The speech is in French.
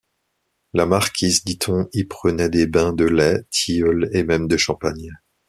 La marquise, dit-on, y prenait des bains de lait, tilleul et même de champagne.